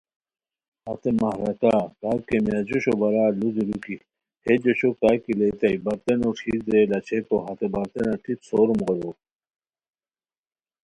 ہتے مہراکا کا کیمیا جوشو بارا ُلو دیرو کی ہے جوشو کا کی لیتائے برتنو ݯھیر درے لا چھیکو ہتے برتنہ ٹیپ سوروم غیرور